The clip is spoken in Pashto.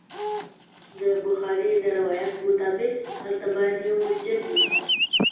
د بخاري د روایت مطابق هلته باید یو مسجد وي.